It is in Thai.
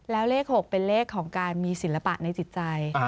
แล้วเลข๖เป็นเลขของการมีศิลปะในจิตใจ